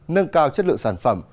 nâng cao chất lượng sản phẩm